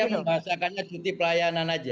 saya membahasakannya cuti pelayanan aja